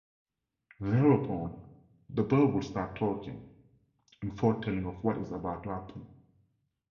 Thereupon, the bird would start talking and foretelling of what is about to happen.